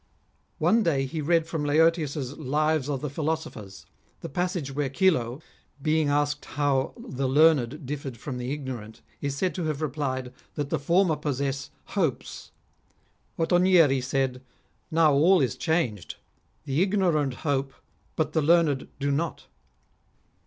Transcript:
One day he read from Laertius' " Lives of the Philo sophers," the passage where Chilo, being asked how the learned differed from the ignorant, is said to have replied, that the former possess ' hopes.' Ottonieri said :" Now all is changed. The ignorant hope, but the learned do not."